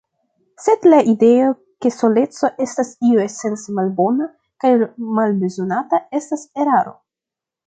Sed la ideo ke soleco estas io esence malbona kaj malbezonata estas eraro.